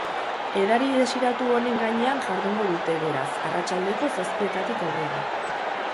Edari desiratu honen gainean jardungo dute, beraz, arratsaldeko zazpietatik aurrera.